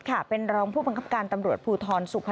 เขาเดินบนหน้าร้านทองค่ะ